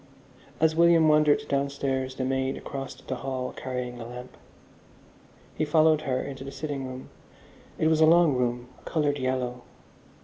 As William wandered downstairs, the maid crossed the hall carrying a lamp. He followed her into the sitting room. It was a long room, coloured yellow.